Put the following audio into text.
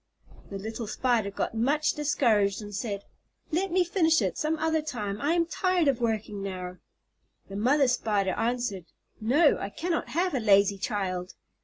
The little Spider got much discouraged, and said, "Let me finish it some other time; I am tired of working now." The mother Spider answered, "No, I cannot have a lazy child."